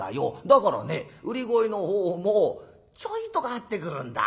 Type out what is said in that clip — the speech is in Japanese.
だからね売り声の方もちょいと変わってくるんだ。